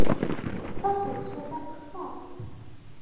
Taseḍsut-a texṣer.